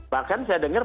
bahkan saya dengar